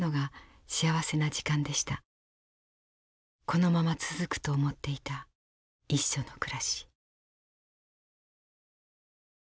このまま続くと思っていた一緒の暮らし。